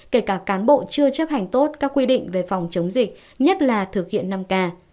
kể cả cán bộ chưa chấp hành tốt các quy định về phòng chống dịch nhất là thực hiện năm k